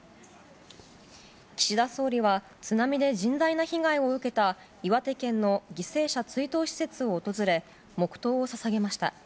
岸田総理は津波で甚大な被害を受けた岩手県の犠牲者追悼施設を訪れ黙祷を捧げました。